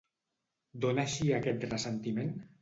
D'on eixia aquest ressentiment?